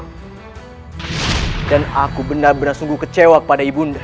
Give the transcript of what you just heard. hai dan aku benar benar syuku kecewa pada ibundeh